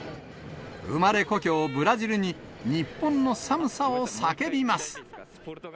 生まれ故郷、ブラジルに日本の寒さを叫びます。